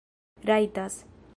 rajtas